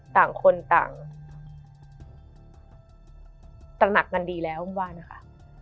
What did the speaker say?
ต่างคนต่างตระหนักกันดีแล้วมึงว่านะคะ